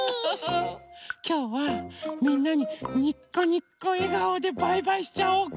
きょうはみんなににこにこえがおでバイバイしちゃおうか。